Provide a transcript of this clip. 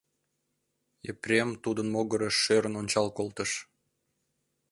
Епрем тудын могырыш шӧрын ончал колтыш.